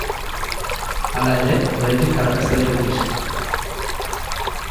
Hala ere, oraindik, arrakastarik ez du izan.